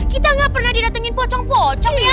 kita gak pernah didatengin pocong pocong ya